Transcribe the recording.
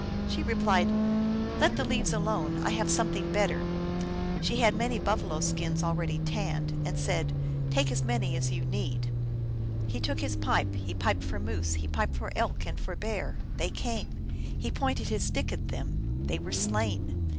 She replied, " Let the leaves alone. I have something better." She had many buffalo skins al 128 THE ALGONQUIN LEGENDS. ready tanned, and said, " Take as many as you need." He took his pipe. He piped for moose ; he piped for elk and for bear : they came. He pointed his stick at them : they were slain.